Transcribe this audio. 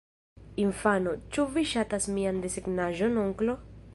Infano: "Ĉu vi ŝatas mian desegnaĵon, onklo?"